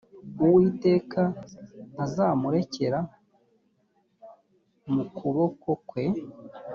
uwiteka ntazamurekera mu kuboko kwe